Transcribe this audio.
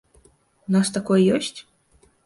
У нас такое ёсць?